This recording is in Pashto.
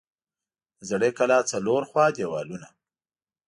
د زړې کلا څلور خوا دیوالونه